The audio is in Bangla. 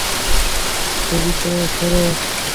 সাবিতা, সরো।